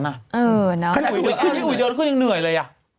เด็กคนนั้นขึ้นยังเหนื่อยเลย